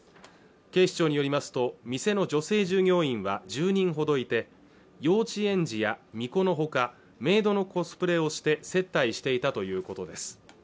警視庁によりますと店の女性従業員は１０人ほどいて幼稚園児や巫女のほかメイドのコスプレをして接待していたということです